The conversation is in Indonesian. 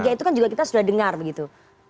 itu kan juga kita sudah dengar begitu